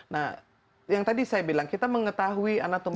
nah yang tadi saya bilang kita mengetahui anatomi